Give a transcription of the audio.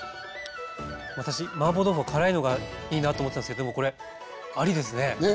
私マーボー豆腐は辛いのがいいなと思ってたんですけどでもこれありですね！ね。